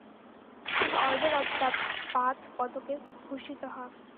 তিনি order of the bath পদকে ভূষিত হন।